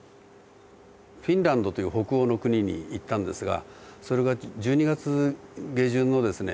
フィンランドという北欧の国に行ったんですがそれが１２月下旬のですね